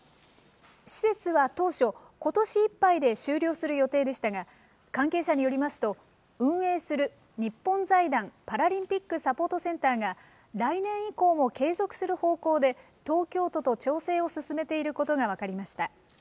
施設は当初、ことしいっぱいで終了する予定でしたが、関係者によりますと、運営する日本財団パラリンピックサポートセンターが、来年以降も継続する方向で、東京都と調整を進めていることが分かりました。